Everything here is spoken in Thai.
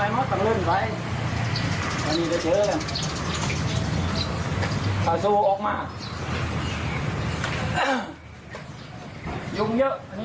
เห็นยังอืม